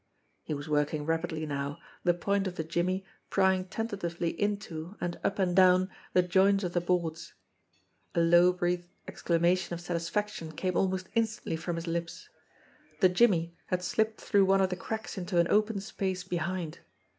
He was working rapidly now, the point of the "jimmy" prying tentatively into, and up and down, the joints of the boards. A low breathed exclamation of satisfaction came almost instantly from his lips. The "jimmy" had slipped through one of the cracks into an open space behind.